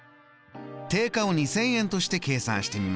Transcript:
定価を２０００円として計算してみましょう。